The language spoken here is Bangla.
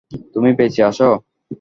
তুমি বেঁচে আছ!